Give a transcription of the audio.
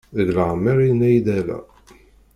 Deg leɛmer yenna-iy-d ala.